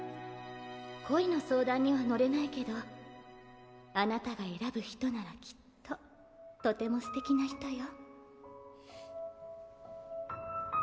恋の相談には乗れないけどあなたが選ぶ人ならきっととてもすてきな人よ。